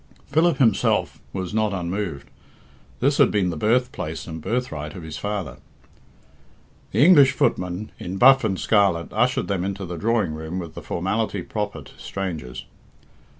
Philip himself was not unmoved. This had been the birthplace and birthright of his father. The English footman, in buff and scarlet, ushered them into the drawing room with the formality proper to strangers.